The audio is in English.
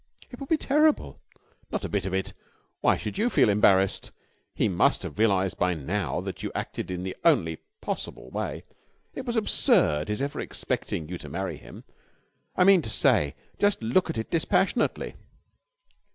"It will be terrible." "Not a bit of it. Why should you feel embarrassed? He must have realised by now that you acted in the only possible way. It was absurd his ever expecting you to marry him. I mean to say, just look at it dispassionately